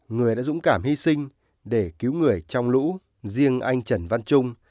người đã dũng cảm hy sinh để cứu người trong lũ riêng anh trần văn trung